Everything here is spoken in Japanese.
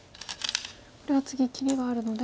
これは次切りがあるので。